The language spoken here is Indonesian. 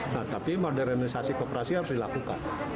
nah tapi modernisasi kooperasi harus dilakukan